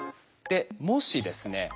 もしですね